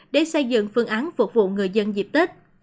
để xây dựng phương án phục vụ người dân dịp tết